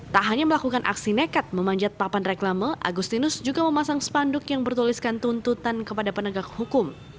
tak hanya melakukan aksi nekat memanjat papan reklame agustinus juga memasang spanduk yang bertuliskan tuntutan kepada penegak hukum